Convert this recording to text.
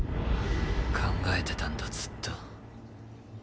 考えてたんだずっと。